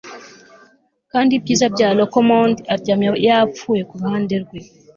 Kandi ibyiza bya LochLomond aryamye yapfuye kuruhande rwe